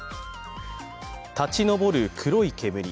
立ち上る黒い煙。